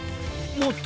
もっと！